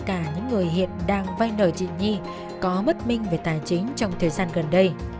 cả những người hiện đang vay nợ chị nhi có mất minh về tài chính trong thời gian gần đây